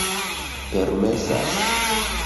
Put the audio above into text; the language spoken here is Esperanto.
permesas